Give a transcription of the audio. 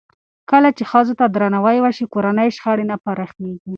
کله چې ښځو ته درناوی وشي، کورني شخړې نه پراخېږي.